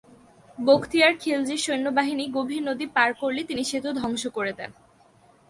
বখতিয়ার খিলজির সৈন্যবাহিনী গভীর নদী পার করলে তিনি সেতু ধ্বংস করে দেন।